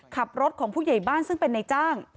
ขับรถของผู้ใหญ่บ้านซึ่งเป็นนายจ้าง